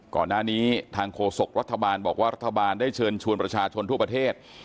ก่อนหน้านี้ทางโฆษกรัฐบาลบอกว่ารัฐบาลได้เชิญชวนประชาชนทั่วประเทศ